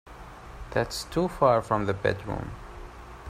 That's too far from the bedroom.